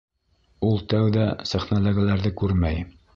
Ул тәүҙә сәхнәләгеләрҙе күрмәй.